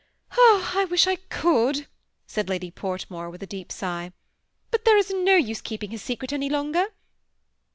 " I wish I could," said Lady Portmore, with a deep sigh; ''but there is no use keeping his secret any longer."